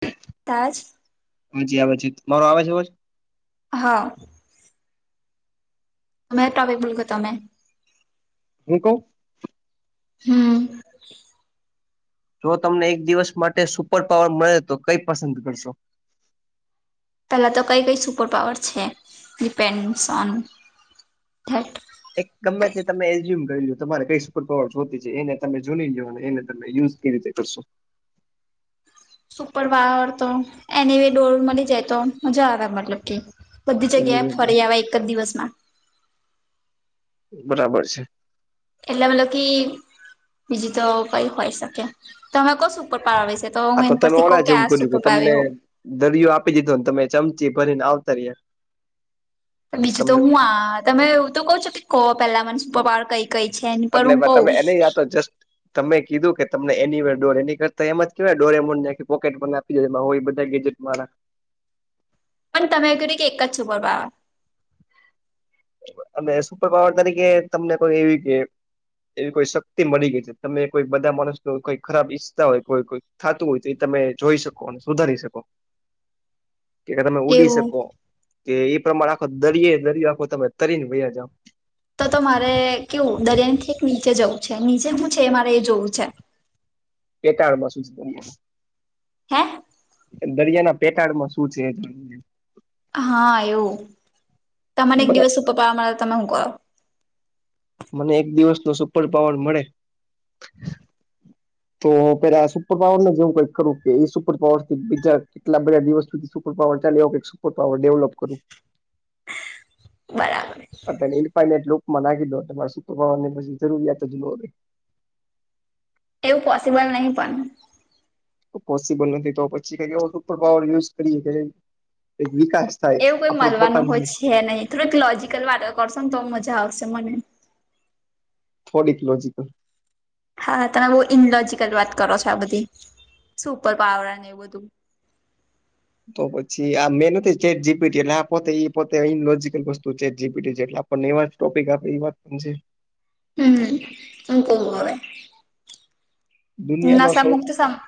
હા [inaudible] તાજ. હાજી આવે ચીત મારો આવે છે આવાજ. હા. હમે ટોપિક ભુલ્યો તમે. હુ કઉ. હમ. જો તમને એક દિવસ માટે સુપર પાવર મળે તો કઈ પસંદ કરશો પેલા તો કઈ કઈ સુપર પાવર છે ડિપેન્ડસ ઓન ઘટ. એક ગમે તે તમે એઝ્યુમ કરી લ્યો તમારે કઈ સુપર પાવર જોતી છે એને તમે જુની લો અને એને તમે યુઝ કેવી રીતે કરશો. સુપર પાવર તો એનીવે ડોળ મળી જાય તો મજા આવે મતલબ કે. બધી જગ્યાએ ફરી આવે એક જ દિવસમાં બરાબર છે. એટલે મતલબ કી બીજું તો કઈ હોય શકે તમે કો સુપર પાવર વિશે. તે તો આ હું એની તમે પરથી કઉ ઓલા કે જેવું આ કર્યું સુપર પાવર તમને હોઉ. દરિયો આપી દીધો ને તમે ચમચી ભરીને આવતા રયા. બીજું તો હું આ તમે એવું તો કઉ છો કે કો પેલા મને સુપર પાવર કઈ કઈ છે. પર અગલે હું મા કહ તમે એને યા તો જસ્ટ. તમે કીધું કે તમને એની વર ડોર એની કરતા એમ જ કેવાય ડોરેમોને જાકે પોકેટ બનાય. એમાં હોય એ બધા ગેજેટ વારા. પણ તમે કર કે એક જ સુપર પાવર. અમે સુપર પાવર તરીકે તમને કોઈ એવી કે. એવી કોઈ શક્તિ મળી ગઈ છે તમે કોઈ બધા માણસ ન કોઈ ખરાબ ઈચ્છતા હોય કોઈ કોઈ. થાતું હોય તો એ તમે જોઈ શકો અને સુધારી શકો. [unintelligible] કે તમે ઉડી એવું શકો કે એ પ્રમાણે આખો દરિયે દરિયો આખો તમે તરીને વૈયા જાવ. તો તો મારે કેવું દરિયા ઠેઠ નીચે જવું છે નીચે હું છે એ મારે એ જોવું છે. પેટાળ મા શું છે. હે. દરિયાના પેટાળમાં શું છે એ જોઇએ. હા એવું તમને એક બરાબર દિવસ સુપર પાવર મળે તો તમે હું કરો. મને એક દિવસ નો સુપર પાવર મળે. તો પેલા સુપર પાવર ને જેવું કઈ કરુ કે એ સુપર પાવર થી બીજા કેટલા બધા દિવસ સુધી સુપરપાવર ચાલે એવુ કાક સુપર પાવર ડેવલપ કરું. બરા પ એ પનેટું [inaudible] મ નાખી દો તો મારે સુપર પાવરની પછી જરૂરિયાત જ ના હોય. એવું પોસિબલ નહી પણ પોસિબલ નથી તો પછી કેવો એ સુપર પાવર યુઝ કરીએ કે ક વિકાસ. થાય એવું કોઈ આપણું મળવાનું પોતાનું હોય નહી છે નહીં થોડુંક લોજીિકલ વાતો કરશો ને તો મજા આવશે મને. થોડીક લોજકલ. હા તમે બહુ ઇનલોજકલ વાત કરો છો આ બધી સુપર પાવર એવું બધું. તો પછી આ મેં નથી ચેટ જીબીટી એટલે આ પોતે પોતે ઈલોજકલ વસ્તુ ચેટ જીીટી. પણ એવા ટોપિક આપે, એ વાત પણ છે. હમ, હ, હ, કવ હવે. ના દુનિયાનો સા સૌ મુક્ તો સા [unintelligible]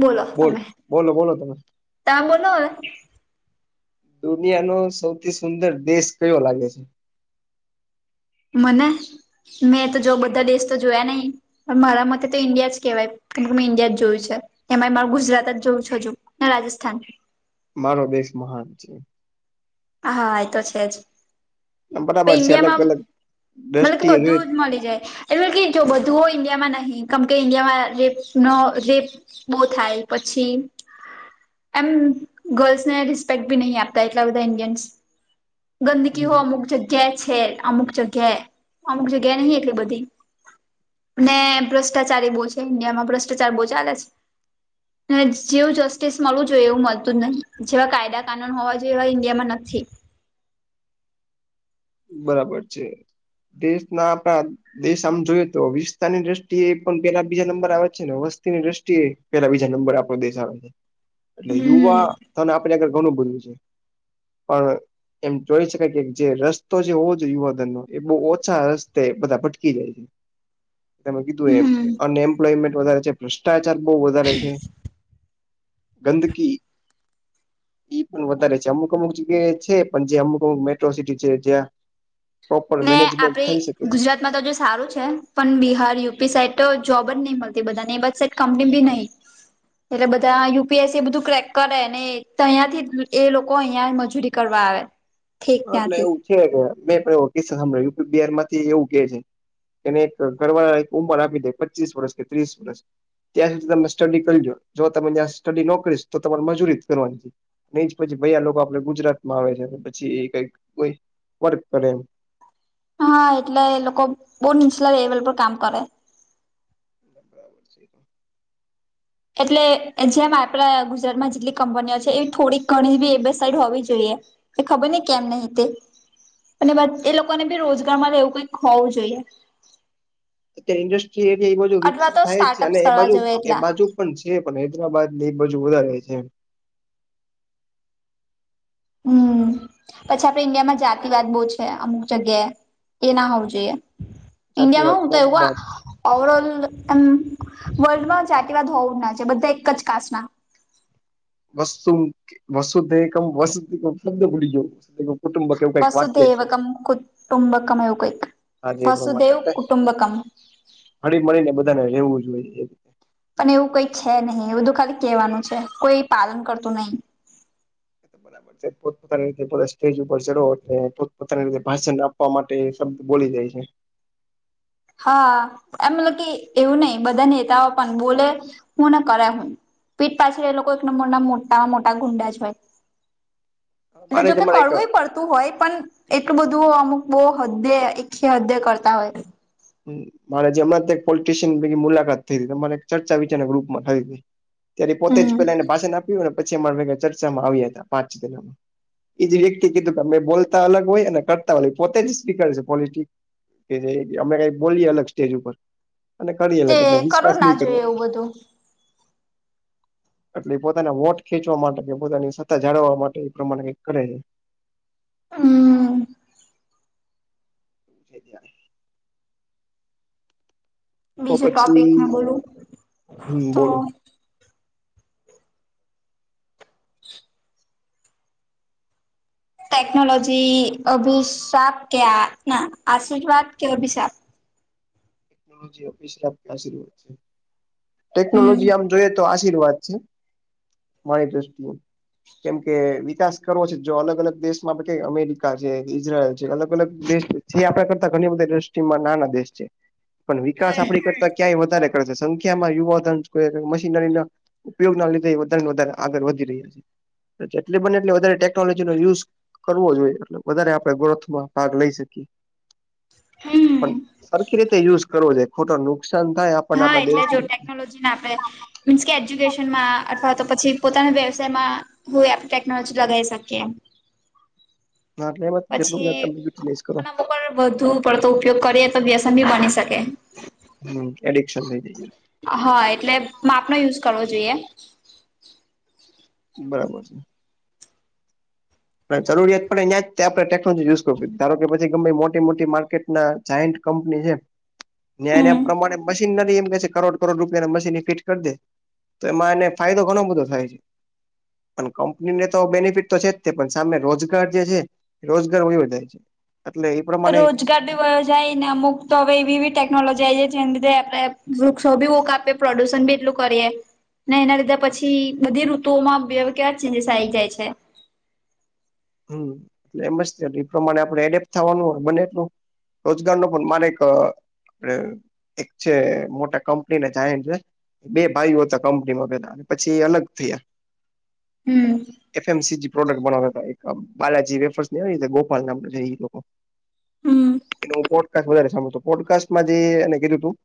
બોલો, બોલ તમે બોલો બોલો તમે ત્યાં બોલો? હવે. દુનિયા નો સૌથી સુંદર દેશ કયો લાગે છે? મને મેં તો, જો બધા દેશ તો જોયા નહી. મારા મતે તો ઇન્ડિયા જ કેહેવાય, કેમ કે મેં ઈન્ડિયા જ જોયું છે. એમાં મારું ગુજરાત જ જોવું છું, હજું ને રાજસ્થાન. મારો દેશ મહાન છે. હા, એ તો છે જ. તો બરાબર છે અલગ ઇન્ડિયામાં અલગ મતલબ કે, દ્રષ્ટિએ જોઈ બધું જ મળી જાય. એટલે કે, જો બધું ઇન્ડિયામાં નહીં, કેમ કે ઇન્ડિયામાં રેપ ન રેપ. બો થાય, પછી એમ ગર્લ્સને રિસ્પેક્ટ ભી નહી આપતા, એટલા બધા ઇન્ડિયન્સ. ગંદકી હો અમુક જગ્યા છે, અમુક જગ્યાએ, અમુક જગ્યા નહિ, એટલી બધી. ને ભ્રષ્ટાચારી બો છે ઇન્ડિયામાં ભ્રષ્ટાચાર બો ચાલે છે જેવું જસ્ટિસ મળવું જોઈએ એવું મળતું જ નહી જેવા કાયદા કાનૂન હોવા જોઈએ એવા ઈન્ડિયામાં નથી. બરાબર છે દેશ ના આપણા દેશ આમ જોઈએ તો વિસ્તાર ની દ્રષ્ટિએ એ પણ પેલા બે નંબર આવે છે ને વસ્તીની દ્રષ્ટિએ. પેલા બીજાંબર આપડ દેશ આવે છે. [inaudible] એટલે યુવા. તો આપણે આગળ ઘણું બધું છે પણ એમ જોઈ શકાય કે જે રસ. તો જે હોવો જો યુવાધન નો એ બહ ઓછા રસ્તે બધા ભટકી જાય છે. ત કીધું એ હમ અને એમ્પ્લોયમેન્ટ વધારે છે ભ્રષ્ટાચાર બહુ વધારે છે. ગંદકી. એ પણ વધારે છે અમુક અમુક જગ્યાએ છે પણ જે અમુક અમુક મેટ્રો સિટી છે. પૂજ્યા. ને આપે ગુજરાતમાં તો જો સારું છે. પણ બિહાર યુ. પી સાઈડ તો જોબ જ નહી મળતી બધા ને એ બસ સાઈડ કંપની બી નહી એટલે બધા યુપીએસ બધું ક્રેક કરે ને તહંથી એ લોકો અહિયાં મજૂરી કરવા આવે ઠીક એટલે ત્યાંથી એવું છે કે મેં એવ કિસ્સા સાંભળ્યા યુ. પી બિહાર માંથી એવું કે છે. એને એક ઘરવાળ એક ઉંમર આપી દે પચીસ વર્ષ કે ત્રીસ વર્ષ ત્યાં સુધી તમને સ્ટડી કરી લો જો તમે ત્યાં સ્ટડી નો કરીશ તો તમારે મજૂરી કરવાની. નહી જ પછી ભાઈ લોકો આપડે ગુજરાત માં આવે છે પછી એ કંઈક કોઈ વર્ક કરે એમ. હા એટલે એ લોકો બહુ નીચલા લેવલ પર કામ કરે [inaudible] એટલે જેમ આપણા ગુજરાતમાં જેટલી કંપનીઓ છે એવી થોડીક ઘણી બી એ બે સાઈડ હોવી જોઈએ. એ ખબર નહી કેમ નહી તે. અને એ લોકોને બી રોજગારમાં રહેેવું કઈક હોવું જોઈએ. ત્યાં ઇન્ડસ્ટ્રીઝ એ બાજુ અથવા વિકસિત તો થાય છે સ્ટાર્ટઅપ્સ અને એ કરવા બાજુ જોઈએ એ એટલા બાજુ પણ છે પણ હૈદરાબાદ બાજુ વધારે છે. હમ. પછી આપડ ઇન્ડિયામાં જાતિવાદ બહ છે અમુક જગ્યાએ, એ ના હોવું જોઈએ. ઇન્ડિયા માં જાતિવાદ હું તો એવું. કોમવાદ ઓવર ઓલ એમ વર્લ્ડમાં જાતિવાદ હોવું ના છે બધા એક જ કાસ ના. વસુ વસુદેવકમ [unintelligible] વસુદેવકમ કુટુંબકમ એવું કંઈક. હા જે એ વસુદેવ કુંટુંબકમ. હળી-મળી ને બધાને રહેવું જોઈએ. અને એવું કઈક છે નહી એવું તો ખાલી કેહેવાનું છે કોઈ પાલન કરતું નહી. [inaudible] જે પોતાની રીતે [unintelligible] સ્ટેજ ઉપર ચડો એટલે પોતપતાની રીતે ભાષણ આપવા માટે શબ્દ બોલી જાય છે. હા. એમ [unintelligible] એવું નહીં, બધા નેતાઓ પણ બોલે હું ને કરે હું. પીઠ પાછળ એ લોકો એક નંબર ના મોટા મોટા ગુંડા જ હોય એટલે મારે જ જોકે, હમણાં એક કરવો પડતો. હોય, પણ એટલું બધું અમુક બહુ હદે, હદે કરતા હોય. મારે જે હમણાં પોલિટિશિયન પૈકી મુલાકાત થઈ હતી, એક ચર્ચા વિચારક રૂપ માં થઈ હતી. ત્યારે પોતે જ હમ પેલા એને ભાષણ આપ્યું, પછી એમા ભા ચર્ચામાં આવ્યા હતા, પાંચ દિનામાં. એ જ વ્યક્તિ કીધું કે, અ બોલતા અલગ હોય, એને કરતા અલગ પોતે જ સ્પીક છે, પોલિટિક્સ. કે જે અમે કઈ બોલીએ, અલગ સ્ટેજ ઉપર. અને કરી તે અલગ એટલે કરો વિશ્વાસ ના, નહીં કરવો જોય એવું બધું. એટલે એ પોતાના વોટ ખેંચવા માટે કે, પોતાની સત્તા જાળવવા માટે એ પ્રમાણે કરે છે. હ. છે. તો બીજું ટોપિક મે પછી બોલું હમ તો? બોલો [unintelligible] ટેકનોલોજી અભિશાપ કે? ના આશીર્વાદ કે? અભિશાપ? ટેકનોલોજી ઓફિસ આશીવાદ છે, ટેકનોલોજી હમ આમ જોઈએ તો આશીર્વાદ છે, મારી દૃષ્ટિએ. કેમ કે વિકાસ કરવો છે, જો અલગ અલગ દેશમાં અમેરિકા છે, ઈઝરાયલ છે, અલગ અલગ દેશ છે. જે આપણા કરતા ઘણી બધા ઇન્ડસ્ટ્રીમાં નાના દેશ છે. પણ વિકાસ આપડી કરતા ક્યાંય વધારે કરે છે, સંખ્યા માં યુવાધન મશીનરી ના. ઉપયોગ ના લીધે, વધારે ને વધારે આગળ વધી રહ્યા છે, જેટ બને, એટલે વધ ટેકનોલોજી નો યુઝ કરવો જોઈએ, એટલે વધારે આપડે ગ્રોથમાં ભાગ લઈ શકીએ. પણ હમ સરખી રીતે યુઝ કરવો જોઈએ, ખોટો નુકસાન થાય, આપ હા, એટલે જો ટેકનોલોજીને આપડે. મીન્સ કે, એજ્યુકેશનમાં અથવા તો પછી પોતાના વ્યવસાયમાં. હોય, આપણે ટેક્નોલોજી લગાવી શકીએ. હા. જેટલું બધા પછી. તમે યુટિલાઈઝ કરો અને વગર વધુ પડતો ઉપયોગ કરીએ, તો વ્યસન ભી બની શકે. હમ, એડિક્શન થઇ જઈ. હા, એટલે માપનો યુઝ કરવો જોઈએ. બરાબર છે. જરૂરિયાત પણ્યાં જ આપણે ટેકનોલોજી યુઝ કર જોઈએ, કે પછી ગ મોટી મોટી માર્કેટના. જઇન્ટ કંપની છે. ન્યા ના હમ પ્રમાણે મશીનરી એમ કે છે, કરોડ કરોડ રૂપિયા મશીન ફીટ કરી દે. તો એમાં એને ફાયદો ઘણો બધો થાય છે, પણ કંપનીને તો બેનિફિટ તો છે. પણ સામે રોજગાર જે છે, રોજગાર હોય છે એટલે. પ્રમાણે રોજ ીયો જાય ને અમુક તો હવે એવી એવી ટેકનોલોજી આ છે જેના લીધે આપડ વૃક્ષો ભીુક આપ પ્રોડુશન બી એટલું કરીએ ને એના લીધે પછી બધી ઋતુઓમાં બે કેવા ચેન્જસ આ આવી જાય છે હમ એટલે એમ જ એ પ્રમાણે આપણે એડેપ્ટ થવાનું હોય બને એટલું રોજગાર ન પણ માને એક આપ એક છે મોટા કંપનીને જઈ છે બે ભાઈઓ હતા કંપનીમાં પેલા અને પછી એ અલગ થયા હમ એફમસી પ્રોડક્ટ બનાવતા હતા બાલાજી વેફર્સ ગોપાલ ના એ લોકો હમ હ પોડકાસ્ટ વધ સાભળું પોડકાસ્ટમાં જેને કીધું તું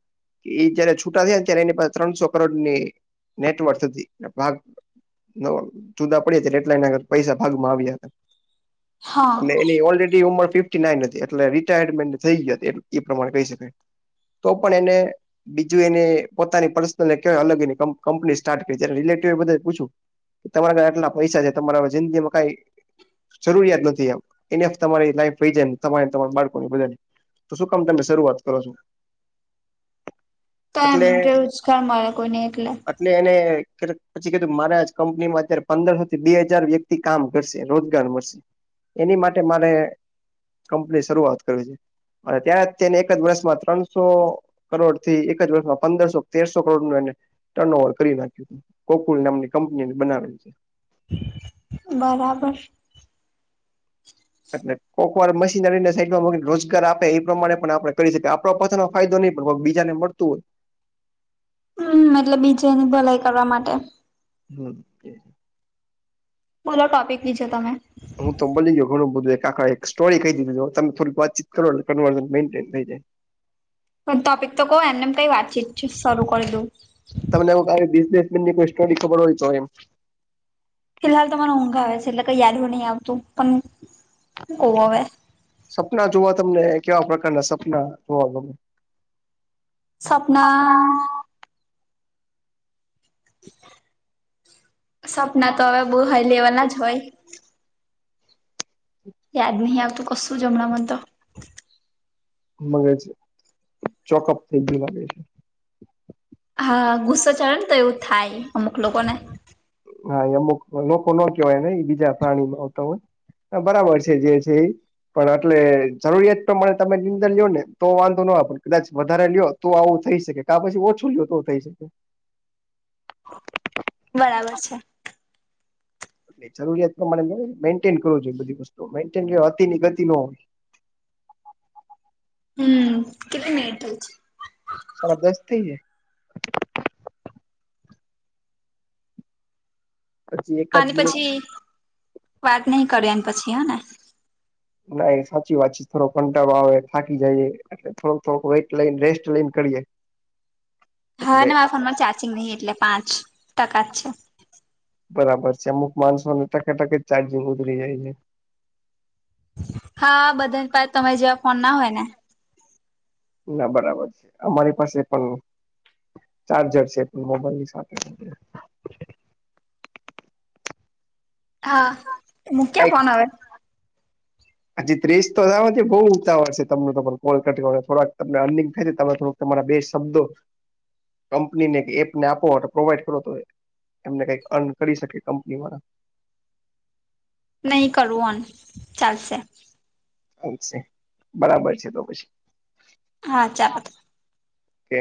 એ જયારે છૂટા થયા ને ત્યારે એની પા ત્રણસો કરોડની નેટવર્ક હતી ભાગ ન જુદા પડ્યા એટલા એને આગર પૈસા ભાગમાં આવ્યા હા અને એની ઓલરેડી ઉંમર ફિફ ના નથી એટલે રિટાયરમેન્ટ થઈ જત એ પ્રમાણે કહી શકાય તો પણ એને બીજું એને પોતાની પર્સનલ કય અલગ એની કંપની સ્ટાર્ટ કરી્યારે રિલેટ એ બધા પૂછું. તમારા ઘરે આટલા પૈસા છે તમારા જિંદગીમાં કઈ. જરૂરિયાત નથી એને તમારી લાઈફ જાય તમારે તમારા બાળકોની બધાને. તો શું કામ તમે શરૂઆત કરો છો. તો એમ રોજગાર મળે કોઈને એટલે એલે એને પછી કધું મારા કંપનીમાં અત્યારે પંદરથી બે હજાર વ્યક્તિ કામ કરશે. રોજગાર મળશે એની માટે મારે કંપની શરૂઆત કર છે. અને ત્યાં તેને એક જ વર્ષમાં ત્રણસો કરોડ થી એક જ વર્ષમાં પંદરસો તેરસો કરોડ નું એને ટર્ન ઓવર કરી નાખ્યું હતું. કોકુલ નામની કંપની બનાવેલ છે. બરાબર. એટલે કોકવાર મશીનરીને સાઈડમાં રોજગાર આપે એ પ્રમાણે પણ આપડ કરી શકીએ આપડો પથનો. ફાયદો નહી પણ બીજાને મળતું હોય. હમ એટલે બીજાની ભલાઈ કરવા માટે. [inaudible] બોલો ટોપિક લીજો તમે. હું તો બલી ગયો ઘણું બધું એક આખ એક સ્ટોરી કહી દીધું તમે થોડીક વાતી કરોન થઈ જાય. પણ ટોપિક તો કહો એમનેમ કઈ વાતચીત શરૂ કરી દઉ તમને બિઝનેસમેન ની કોઈ સ્ટોરી ખબર હોય તો એમ- ફિલહાલ તો મને ઊંઘા આવે છે એટલે કઈ યાદવ નહી આવતું પણ ઓવ હવે. સપના જોવા તમને કેવા પ્રકારના સપના જોવા ગમે. સવપ્ના. સપના તો હવે બહ હાઈ લેવલ ના જ હોય. યાદ નહીં આવ તું કશું જમણા મ તો. મગે છે ચોકઅપ થઈ ગયું લાગે છે. હા ગુસ્સો ચા ને તો એવું થાય અમુક લોકો ને. હા એ અમુક લોકો ન કેવાયને એ બીજા પ્રાણી આવતા હોય બરાબર છે જે છે એ. પણ એટલે જરૂરિયાત પ્રમાણે તમે નિંદર લ્યો ને તો વાંધો નય પણ કદાચ વધારે લ્યો. તો આવું થઈ શકે કા પછી ઓછું જોય તો થઈ શકે. બરાબર છે. જરૂરિયાત પ્રમાણે મેન્ટેન કરવું જોઈએ બધી વસ્તુ મેન્ટન અતિની ગતિ ન હમ કલી ટલ છે. સા દસ્તી છે. પછી એકાદ આને મિનિટ પછી, વાત નહી કરે, આની પછી હા ને.? ના સાચી વાત છે. થોડો કંટાળો આવે થાકી જાય. એટલે થોડુંક થોડક વેઇટ લઈને રેસ્ટ લઈને કરીએ. હા એટલે મારા ફોનમાં ચાર્જિંગ નહિ એટલે પાંચ ટકા જ છે. બરાબર છે અમુક માણસોને ટકેટકે જ ચાર્જિંગ ઉતરી જાય છે. હા બધા પાસે તમે જેવા ફોન ના હોય ને. ના બરાબર છે અમારી પાસે પણ નથી. ચાર્જર છે પણ મોબાઈલ ની સાથે. હા તો મૂક્યા કઈ? ફોન હવે હજી ત્રીસ તો થવા દ્યો છે બઉ ઉતાવળ છે તમનું તો પણ કોલ કટ થોડાક તમને અર્નીગ થાય ત થોડુંક તમારા બે શબ્દો કંપની ને એપને આપો પ્રોવાઈડ કરો તો એમને કઈક અર્ન કરી શકે કંપની વાળા. નહીં કરું ઓન ચાલશે. હ છે બરાબર છે તો પછી હા ચાલ! કે